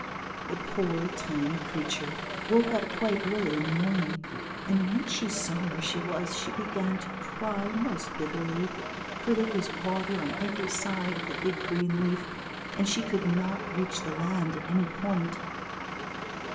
The poor, tiny little creature woke up quite early in the morning, and when she saw where she was she began to cry most bitterly, for there was water on every side of the big green leaf, and she could not reach the land at any point.